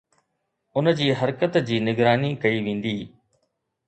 ان جي حرڪت جي نگراني ڪئي ويندي